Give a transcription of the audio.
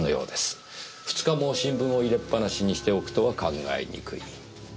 ２日も新聞を入れっぱなしにしておくとは考えにくい。